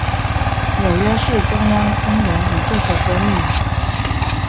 纽约市中央公园的以这首歌命名。